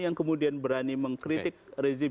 yang kemudian berani mengkritik rizik